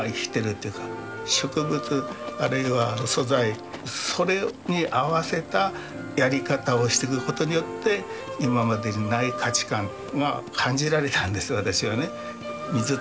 植物あるいは素材それに合わせたやり方をしていくことによって今までにない価値観が感じられたんです私はね。